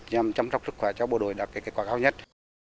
nhằm chăm sóc sức khỏe cho bộ đội đạt kết quả cao nhất